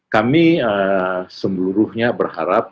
kami semuruhnya berharap